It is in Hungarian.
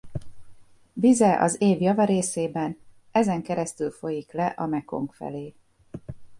Vize az év java részében ezen keresztül folyik le a Mekong felé.